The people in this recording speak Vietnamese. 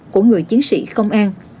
của người chiến sĩ công an